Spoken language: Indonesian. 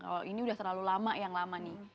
oh ini udah terlalu lama yang lama nih